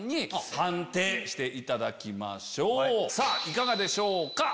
いかがでしょうか？